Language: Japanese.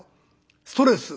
ストレス。